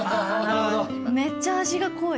めっちゃ味が濃い。